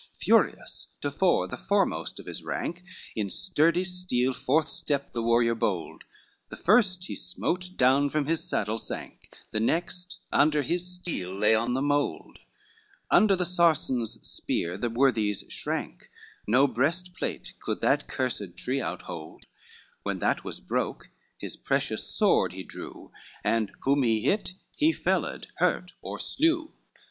XXXIV Furious, tofore the foremost of his rank, In sturdy steel forth stept the warrior bold, The first he smote down from his saddle sank, The next under his steel lay on the mould, Under the Saracen's spear the worthies shrank, No breastplate could that cursed tree outhold, When that was broke his precious sword he drew, And whom he hit, he felled, hurt, or slew.